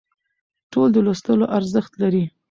ټول د لوستلو ارزښت لري